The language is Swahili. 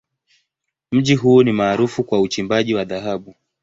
Mji huu ni maarufu kwa uchimbaji wa dhahabu.